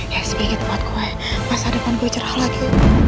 ya segini tempat gue masa depan gue cerah lagi